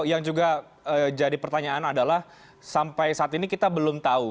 yang juga jadi pertanyaan adalah sampai saat ini kita belum tahu